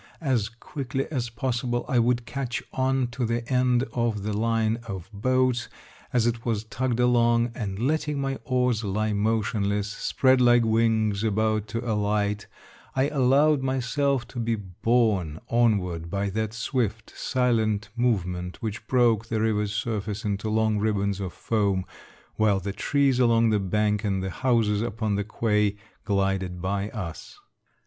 As quickly as possible I would catch on to the end of the line of boats as it was tugged along, and letting my oars lie motionless, spread like wings about to alight, I allowed myself to be borne on ward by that swift, silent movement which broke the river's surface into long ribbons of foam, while the trees along the bank and the houses upon the quay glided by us.